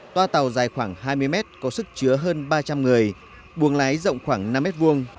toa tàu dài khoảng hai mươi mét có sức chứa hơn ba trăm linh người buồng lái rộng khoảng năm mét vuông